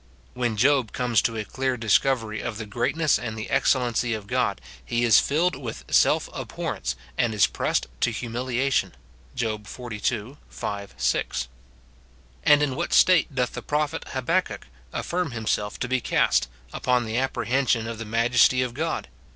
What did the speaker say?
When Job comes to a clear discovery of the greatness and the excellency of God, he is filled with self abhorrence and is pressed to humili ation, Job xlii. 5, 6. And in what state doth the pro phet Habakkuk aflBrm himself to be cast, upon the ap prehension of the majesty of God